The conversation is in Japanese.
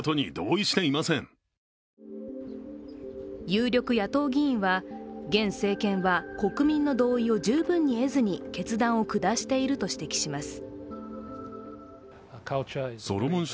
有力野党議員は、現政権は国民の同意を十分に得ずに決断を下していると指摘します。